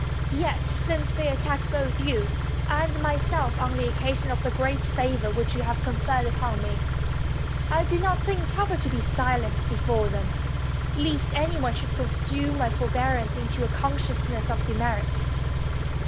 Yet, since they attack both you and myself, on occasion of the great favor which you have conferred upon me, I did not think proper to 355 ROME be silent before them, lest any one should construe my forbearance into a consciousness of demerit.